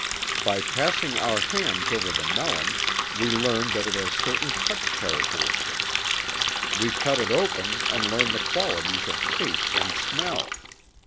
By passing our hands over the melon, we learn that it has certain touch characteristics. We cut it open and learn the qualities of taste and smell.